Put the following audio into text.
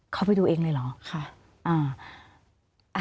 เข้าไปดูเองเลยเหรอค่ะ